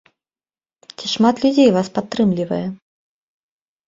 Ці шмат людзей вас падтрымлівае?